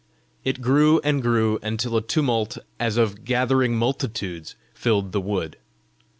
It grew and grew until a tumult as of gathering multitudes filled the wood.